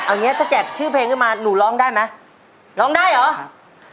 เอาอย่างนี้ถ้าแจกชื่อเพลงขึ้นมาหนูร้องได้ไหมร้องได้เหรอ